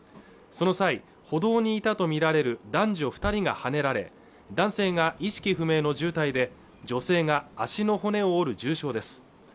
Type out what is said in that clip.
その際歩道にいたとみられる男女二人がはねられ男性が意識不明の重体で女性が足の骨を折る重傷です